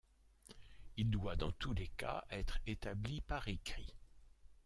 Il doit dans tous les cas être établi par écrit.